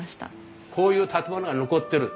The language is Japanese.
こういう建物が残ってる。